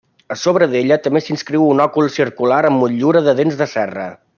A s'obra d'ella també s'inscriu un òcul circular amb motllura de dents de serra.